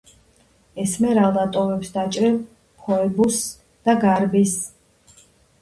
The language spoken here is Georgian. ესმერალდა ტოვებს დაჭრილ ფოებუსს და გარბის.